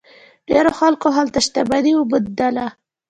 ډیرو خلکو هلته شتمني وموندله.